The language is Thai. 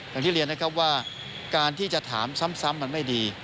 อย่างที่เรียนนะครับว่าการที่จะถามซ้ำมันไม่ดี